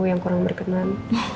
yang kurang berkenan